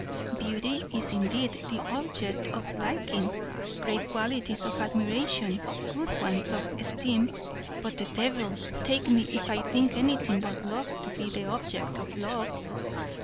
Beauty is indeed the object of liking, great qualities of admiration, good ones of esteem; but the devil take me if I think anything but love to be the object of love."